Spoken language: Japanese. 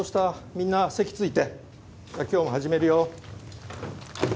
みんな席ついて今日も始めるよ・